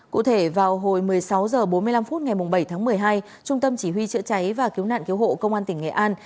cụ thể vào hồi một mươi sáu h bốn mươi năm phút ngày bảy tháng một mươi hai trung tâm chỉ huy chữa cháy và cứu nạn cứu hộ công an tỉnh nghệ an